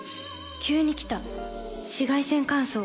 急に来た紫外線乾燥。